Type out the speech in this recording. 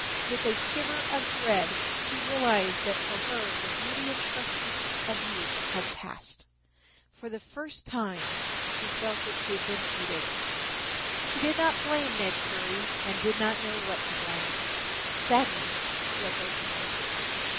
With a shiver of dread, she realized that for her the beauty and freshness of youth had passed. For the first time she felt that she had been cheated. She did not blame Ned Currie and did not know what to blame. Sadness swept over her.